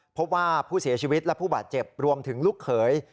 พบว่าผู้เสียชีวิตและผู้บาดเจ็บรวมถึงลูกเขย